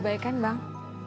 udah baik kan bang